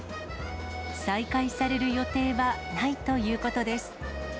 再開される予定はないということです。